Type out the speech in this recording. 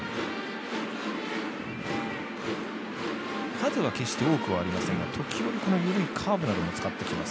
数は決して多くはありませんが時折、この緩いカーブも使ってきます。